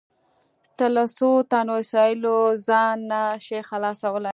ته له څو تنو اسرایلو ځان نه شې خلاصولی.